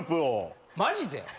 マジで？